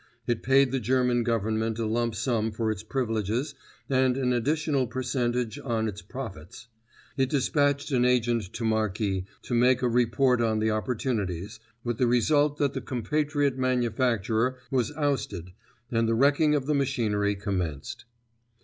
It paid the German Government a lump sum for its privileges and an additional percentage on its profits. It dispatched an agent to Marki to make a report on the opportunities, with the result that the compatriot manufacturer was ousted and the wrecking of the machinery commenced.